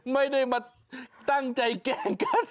ไม่ได้มาตั้งใจแกล้งกัน